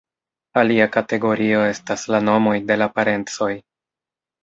Alia kategorio estas la nomoj de la parencoj.